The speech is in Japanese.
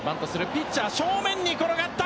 ピッチャー正面に転がった。